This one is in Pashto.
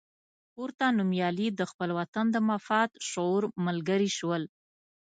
پورته نومیالي د خپل وطن د مفاد شعور ملګري شول.